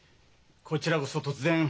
こちらこそ突然。